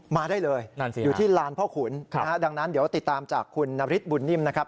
มาได้เลยอยู่ที่ลานพ่อขุนดังนั้นเดี๋ยวติดตามจากคุณนฤทธบุญนิ่มนะครับ